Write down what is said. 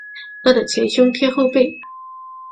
饿得前胸贴后背